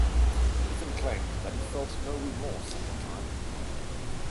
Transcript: Eithun claimed that he felt no remorse at the time.